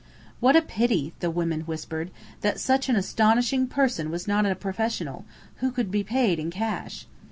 What a pity, the women whispered, that such an astonishing person was not a professional, who could be paid in cash!